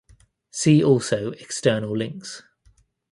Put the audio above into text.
See also external links.